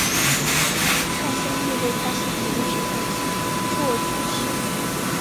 萨松亦为他幸存的手稿作注释。